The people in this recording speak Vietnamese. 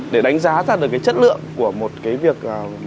để đánh giá ra được cái chất lượng của một cái việc